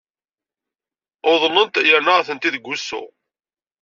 Uḍnent yerna atenti deg wusu.